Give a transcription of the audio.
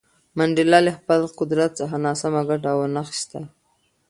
منډېلا له خپل قدرت څخه ناسمه ګټه ونه خیسته.